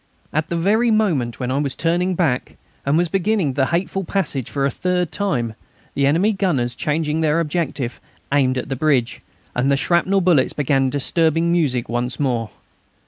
At the very moment when I was turning back, and was beginning the hateful passage for the third time, the enemy gunners, changing their objective, aimed at the bridge, and the shrapnel bullets began their disturbing music once more.